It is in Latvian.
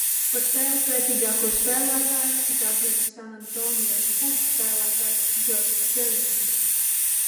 "Par spēles vērtīgāko spēlētāju tika atzīts Sanantonio "Spurs" spēlētājs Džordžs Džervins."